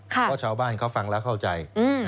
เพราะชาวบ้านเขาฟังแล้วเข้าใจ